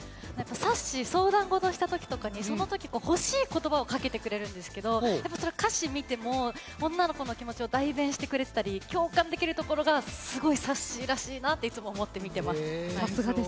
さっしー相談事したときとかにそのとき欲しい言葉をかけてくれるんですけど歌詞を見ても女の子の気持ちを代弁してくれてたり共感できるところがすごいさっしーらしいなといつも思っています。